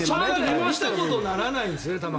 見たことにならないんですよ。